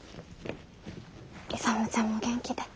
勇ちゃんも元気で。